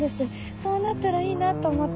そうなったらいいなと思って。